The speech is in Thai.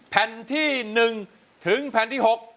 แผ่นที่๑ถึงแผ่นที่๖